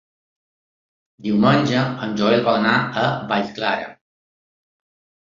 Diumenge en Joel vol anar a Vallclara.